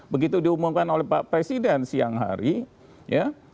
begitu diumumkan oleh pak presiden siang hari ya